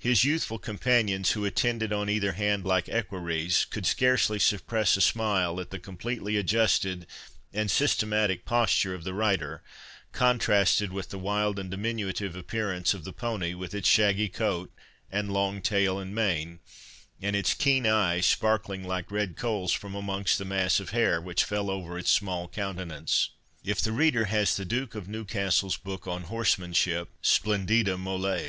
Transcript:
His youthful companions, who attended on either hand like equerries, could scarcely suppress a smile at the completely adjusted and systematic posture of the rider, contrasted with the wild and diminutive appearance of the pony, with its shaggy coat, and long tail and mane, and its keen eyes sparkling like red coals from amongst the mass of hair which fell over its small countenance. If the reader has the Duke of Newcastle's book on horsemanship, (_splendida moles!